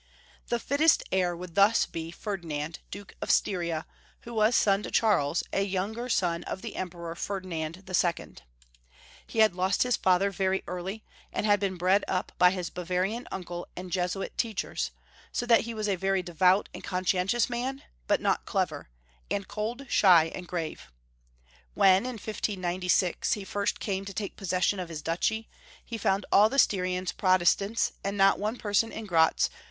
The fittest heir would thus be Ferdinand, Duke of Styria, who was son to Charles, a younger son of the Emperor, Ferdinand II. He had lost his father 321 322 Young Folka^ Hi»tory of Germany. very early, and had been bred up by liis Bavarian uncle and Jesuit teachers, so that he was a very devout and conscientious man, but not clever — and cold, shy, and grave. When, in 1596, he first came to take possession of his duchy, he found all the Styrians Protestants, and not one person in Griltz Matthias.